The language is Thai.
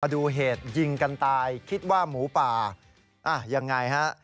ดูเหตุยิงกันตายคิดว่าหมูป่ายังไงฮะ